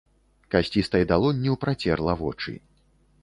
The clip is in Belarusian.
Касцістай далонню працерла вочы.